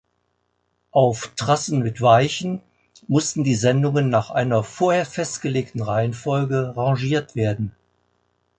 Auf Trassen mit Weichen mussten die Sendungen nach einer vorher festgelegten Reihenfolge rangiert werden.